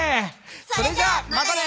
それじゃあまたね！